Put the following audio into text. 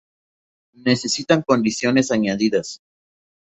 Necesitan condiciones añadidas.